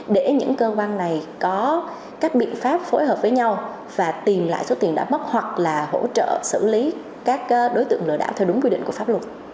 để những cơ quan này có các biện pháp phối hợp với nhau và tìm lại số tiền đã bắt hoặc là hỗ trợ xử lý các đối tượng lừa đảo theo đúng quy định của pháp luật